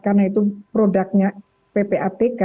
karena itu produknya ppatk